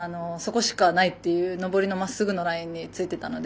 打って完璧で、そこしかないという上りのまっすぐのラインについていたので。